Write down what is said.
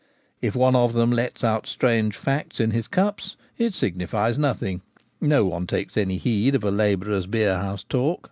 If one of them lets out strange facts in his cups, it signifies nothing : no one takes any heed of a labourer's beerhouse talk.